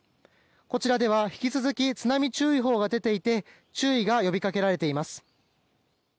こちらでは引き続き津波注意報が出ていて注意が呼びかけられています。